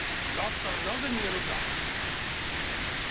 だったらなぜ逃げるんだ？